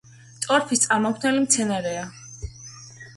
ტორფის წარმომქმნელი მცენარეა.